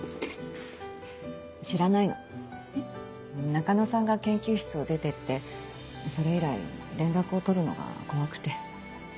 中野さんが研究室を出てってそれ以来連絡を取るのが怖くて。